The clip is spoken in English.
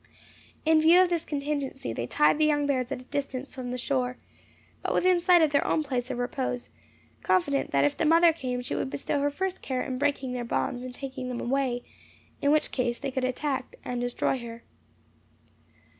In view of this contingency they tied the young bears at a distance from the shore, but within sight of their own place of repose, confident that if the mother came she would bestow her first care in breaking their bonds, and taking them away, in which case they could attack and destroy her.